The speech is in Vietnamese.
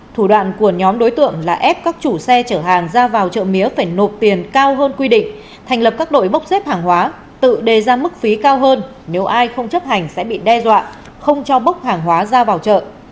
thủ đoạn của nhóm đối tượng là ép các chủ xe chở hàng ra vào chợ mía phải nộp tiền cao hơn quy định thành lập các đội bốc xếp hàng hóa tự đề ra mức phí cao hơn nếu ai không chấp hành sẽ bị đe dọa không cho bốc hàng hóa ra vào chợ